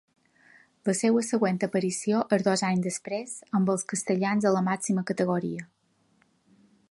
La seua següent aparició és dos anys després, amb els castellans a la màxima categoria.